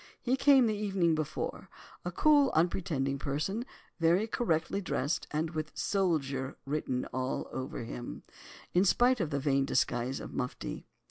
He came the evening before—a cool, unpretending person, very correctly dressed, and with "soldier" written all over him—in spite of the vain disguise of mufti.